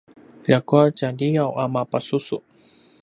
ljakua tjaliyaw a mapasusu